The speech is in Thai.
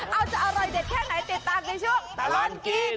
เอาจะอร่อยเด็ดแค่ไหนติดตามในช่วงตลอดกิน